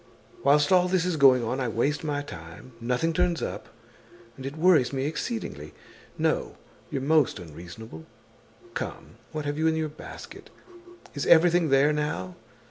Whilst all this is going on, I waste my time, nothing turns up, and it worries me exceedingly. No, you're most unreasonable. Come, what have you in your basket? Is everything there now?